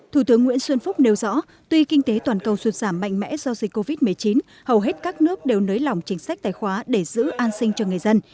thủ tướng nguyễn xuân phúc nêu rõ tuy kinh tế toàn cầu sụt giảm mạnh mẽ do dịch covid một mươi chín hầu hết các nước đều nới lỏng chính sách tài khoá để giữ an sinh cho người dân